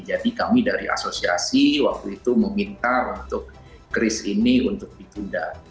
jadi kami dari asosiasi waktu itu meminta untuk kris ini untuk ditunda